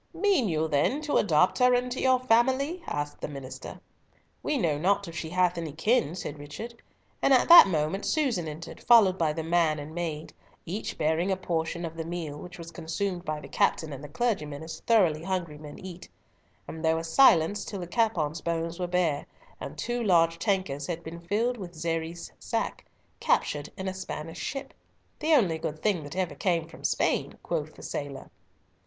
"Mean you, then, to adopt her into your family?" asked the minister. "We know not if she hath any kin," said Richard, and at that moment Susan entered, followed by the man and maid, each bearing a portion of the meal, which was consumed by the captain and the clergyman as thoroughly hungry men eat; and there was silence till the capon's bones were bare and two large tankards had been filled with Xeres sack, captured in a Spanish ship, "the only good thing that ever came from Spain," quoth the sailor.